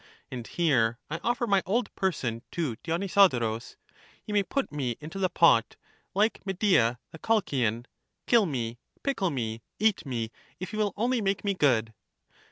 And here I offer my old person to Dionysodorus ; he may put me into the pot, like Medea the Colchian, kill me, pickle me, eat me, if he will only make me good.